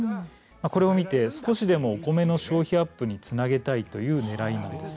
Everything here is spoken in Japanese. これを見て少しでもお米の消費アップにつなげたいというねらいなんです。